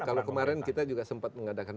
kalau kemarin kita juga sempat mengadakan